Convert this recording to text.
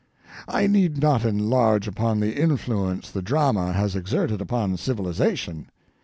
I need not enlarge upon the influence the drama has exerted upon civilization.